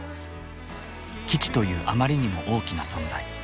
基地というあまりにも大きな存在。